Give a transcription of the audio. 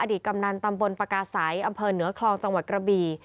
กำนันตำบลปากาศัยอำเภอเหนือคลองจังหวัดกระบี่